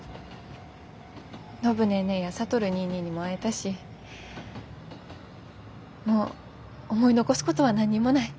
暢ネーネーや智ニーニーにも会えたしもう思い残すことは何にもない。